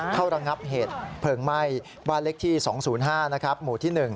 ระงับเหตุเพลิงไหม้บ้านเล็กที่๒๐๕หมู่ที่๑